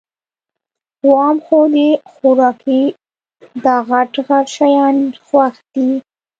وام خو د خوارکي داغټ غټ شیان خوښ دي